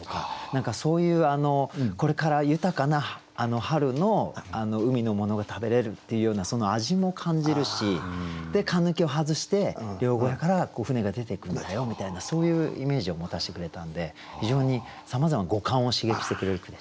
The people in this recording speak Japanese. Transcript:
何かそういうこれから豊かな春の海のものが食べれるっていうようなその味も感じるしで閂を外して漁小屋から船が出ていくんだよみたいなそういうイメージを持たしてくれたんで非常にさまざまな五感を刺激してくれる句でしたね。